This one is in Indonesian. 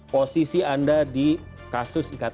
posisi anda di kasus iktp